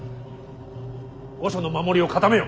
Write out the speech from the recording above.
御所の守りを固めよ。